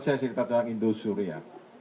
saya cerita tentang hindus surya